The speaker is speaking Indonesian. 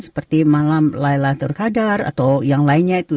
seperti malam laylatul qadar atau yang lainnya itu